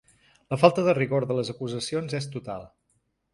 La falta de rigor de les acusacions és total.